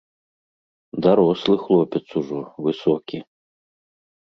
Дарослы хлопец ужо, высокі.